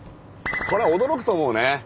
これは驚くと思うね。